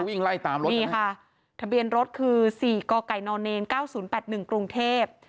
นี่ค่ะนี่ค่ะทะเบียนรถคือ๔กไก่น๙๐๘๑กรุงเทพฯ